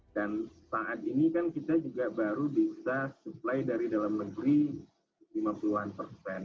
dan saat ini kan kita juga baru bisa supply dari dalam negeri lima puluh an persen